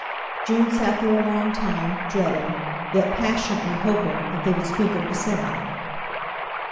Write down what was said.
June sat there a long time, dreading, yet passionately hoping, that they would speak of Bosinney.